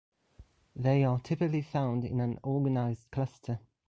They are typically found in an organized cluster.